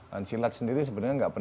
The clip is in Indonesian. dan silat sendiri sebenarnya nggak pernah